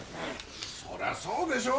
そりゃそうでしょう。